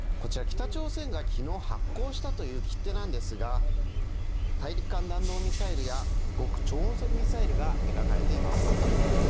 北朝鮮が昨日発行したという切手なんですが大陸間弾道ミサイルや極超音速ミサイルが描かれています。